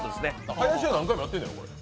林は何回もやってんやろ？